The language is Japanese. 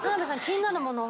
気になるもの